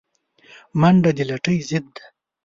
منډه د لټۍ ضد ده